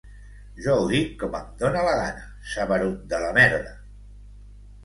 Jo ho dic com em dona la gana, saberut de la merda.